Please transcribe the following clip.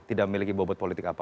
tidak memiliki bobot politik apa